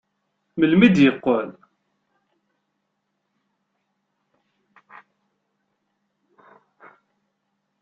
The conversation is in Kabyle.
Melmi d-yeqqel?